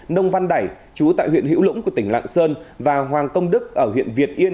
nông văn đẩy chú tại huyện hữu lũng của tỉnh lạng sơn và hoàng công đức ở huyện việt yên